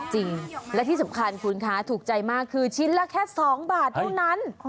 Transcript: จริงและที่สำคัญคุณคะถูกใจมากคือชิ้นละแค่๒บาทเท่านั้น